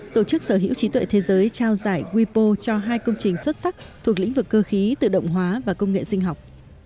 tổ chức sở hữu trí tuệ thế giới trao giải wipo cho hai công trình xuất sắc thuộc lĩnh vực cơ khí tự động hóa và công nghệ sinh học